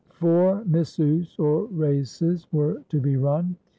Four missus^ or races, were to be run.